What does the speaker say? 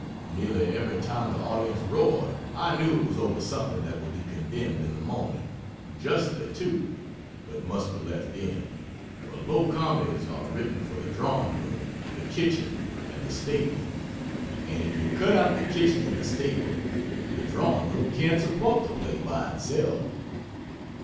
Nearly every time the audience roared I knew it was over something that would be condemned in the morning (justly, too) but must be left in for low comedies are written for the drawing room, the kitchen and the stable, and if you cut out the kitchen and the stable the drawing room can't support the play by itself.